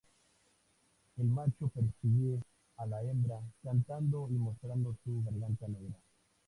El macho persigue a la hembra cantando y mostrando su garganta negra.